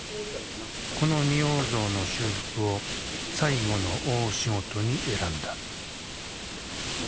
この仁王像の修復を最後の大仕事に選んだ。